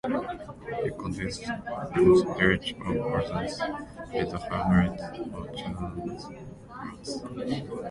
It consists of the village of Orzens and the hamlet of Champs Plats.